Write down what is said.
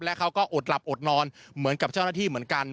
และเขาก็อดหลับอดนอนเหมือนกับเจ้าหน้าที่เหมือนกัน